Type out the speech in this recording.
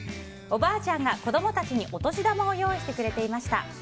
おばあちゃんが子供たちにお年玉を用意してくれていました。